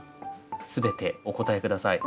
全てお答え下さい。